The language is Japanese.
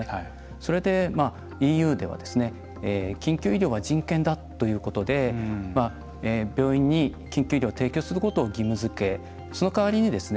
それで、ＥＵでは「緊急医療は人権だ」ということで病院に緊急医療を提供することを義務づけ、その代わりにですね